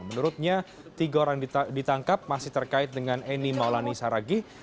menurutnya tiga orang ditangkap masih terkait dengan eni maulani saragih